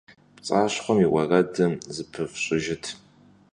ПцӀащхъуэм и уэрэдым зыпыфщӀыжыт.